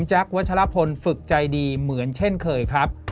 วัชลพลฝึกใจดีเหมือนเช่นเคยครับ